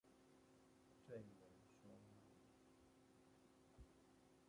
最能說明